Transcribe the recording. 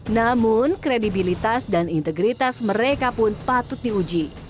namun kredibilitas dan integritas mereka pun patut diuji